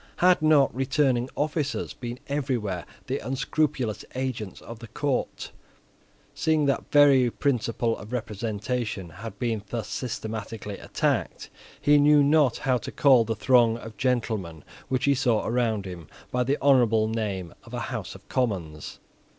Had not returning officers been everywhere the unscrupulous agents of the Court? Seeing that the very principle of representation had been thus systematically attacked, he knew not how to call the throng of gentlemen which he saw around him by the honourable name of a House of Commons.